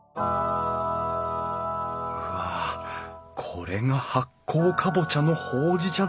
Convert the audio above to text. うわこれが発酵カボチャのほうじ茶